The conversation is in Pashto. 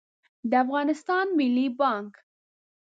د افغانستان ملي بانګ